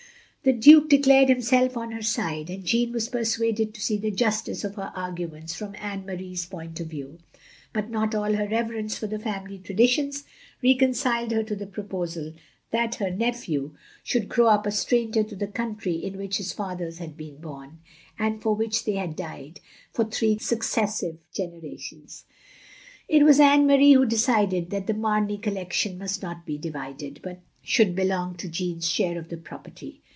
The Duke defclared himself on her side, and Jeanneji was persuaded to see the justice of her arguments from Anne Marie's point of view; but not all her reverence for the family traditions reconciled her to the proposal that her nephew 374 THE LONELY LADY should grow up a stranger to the country in which his fathers had been bom, and for which they had died, for three successive generations. It was Anne Marie who decided that the Mamey collection mtist not be divided, but should belong to Jeanne's share of the property.